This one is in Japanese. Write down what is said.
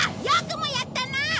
よくもやったな！